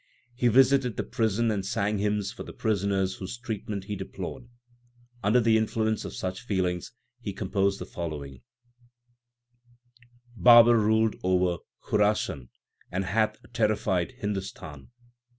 He visited the prison and sang hymns for the prisoners whose treatment he deplored. Under the influence of such feelings he composed the following : Babar ruled over Khurasan and hath terrified Hindustan.